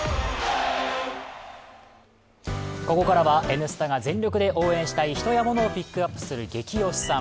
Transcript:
「Ｎスタ」が全力で応援したい人やモノをピックアップする「ゲキ推しさん」。